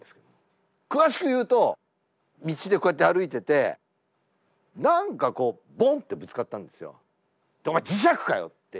詳しく言うと道でこうやって歩いてて何かこうボンってぶつかったんですよ。